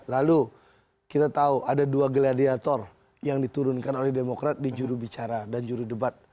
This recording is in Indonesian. lalu kita tahu ada dua gladiator yang diturunkan oleh demokrat di jurubicara dan juru debat